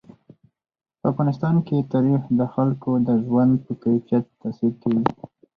په افغانستان کې تاریخ د خلکو د ژوند په کیفیت تاثیر کوي.